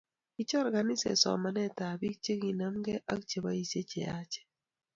Kicher kanisa somanent ab biik chikinanmke ak cheboisie cheyachen,